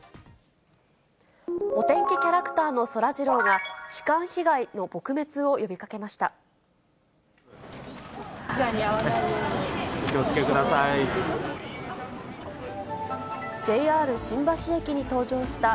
お天気キャラクターのそらジローが、痴漢被害の撲滅を呼びかけました。